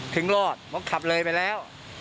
ถึงรอดขับเลยไปแล้ว